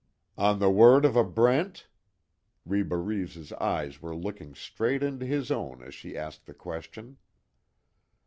"On the word of a Brent?" Reba Reeves' eyes were looking straight into his own as she asked the question.